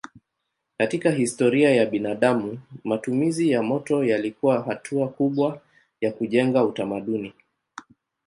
Katika historia ya binadamu matumizi ya moto yalikuwa hatua kubwa ya kujenga utamaduni.